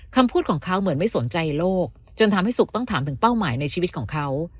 คำพูดของเขาเหมือนไม่สนใจโลกจนทำให้สุขต้องถามถึงเป้าหมายในชีวิตของเขา